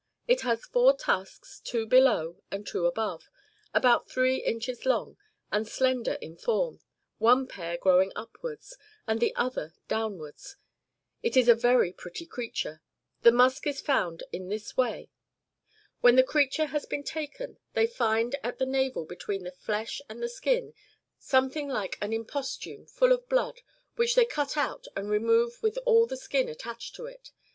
It has four tusks, two below and two above, about three inches long, and slender in form, one pair growing upwards, and the other downwards? It is a very pretty creature. The musk is found in this way. When the creature has been taken, they find at the navel between the flesh and the skin something like an impostume full of blood, which they cut out and remove with all the skin attached to it.